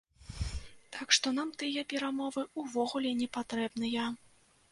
Так што нам тыя перамовы ўвогуле не патрэбныя.